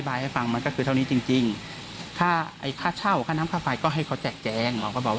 ส่วนของหมอหมอก็จะแจ้งครับ